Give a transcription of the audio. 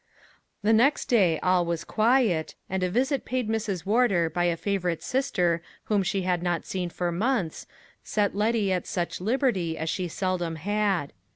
The next day all was quiet; and a visit paid Mrs. Wardour by a favorite sister whom she had not seen for months, set Letty at such liberty as she seldom had.